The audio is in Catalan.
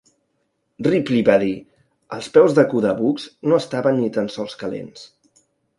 Ripley va dir, els peus de Kuda Bux no estaven ni tan sols calents.